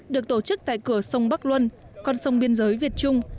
được tổ chức tại cửa sông bắc luân con sông biên giới việt trung